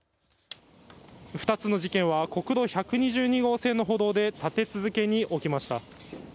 ２つの事件は国道１２２号線の歩道で立て続けに起きました。